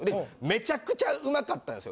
めちゃくちゃうまかったんですよ。